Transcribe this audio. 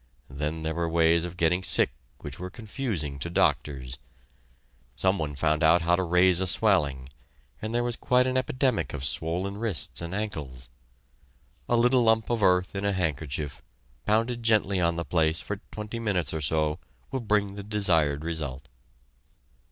Then there were ways of getting sick which were confusing to doctors. Some one found out how to raise a swelling, and there was quite an epidemic of swollen wrists and ankles. A little lump of earth in a handkerchief, pounded gently on the place, for twenty minutes or so, will bring the desired result.